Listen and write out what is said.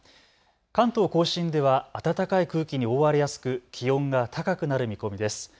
関東甲信では暖かい空気に覆われやすく気温が高くなる見込みです。